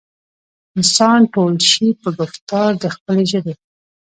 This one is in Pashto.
انسان تول شي پۀ ګفتار د خپلې ژبې